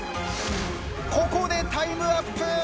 ここでタイムアップ！